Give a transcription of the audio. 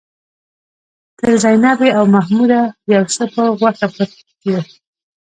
تر زينبې او محموده يو څه په غوښه پټ يې.